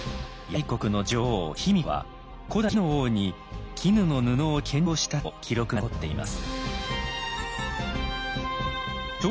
邪馬台国の女王卑弥呼は古代中国・魏の王に絹の布を献上したと記録が残っています。